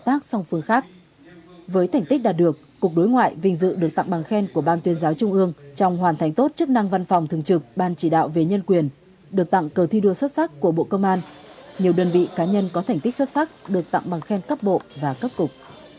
tặng bằng khen của ban tuyên giáo trung ương trong hoàn thành tốt chức năng văn phòng thường trực ban chỉ đạo về nhân quyền được tặng cờ thi đua xuất sắc của bộ công an nhiều đơn vị cá nhân có thành tích xuất sắc được tặng bằng khen cấp bộ và cấp cục